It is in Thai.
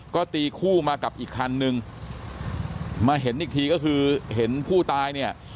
ก็ตีคู่มากับอีกคันนึงมาเห็นอีกทีก็คือเห็นผู้ตายเนี่ย